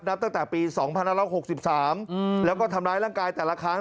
ตั้งแต่ปี๒๑๖๓แล้วก็ทำร้ายร่างกายแต่ละครั้ง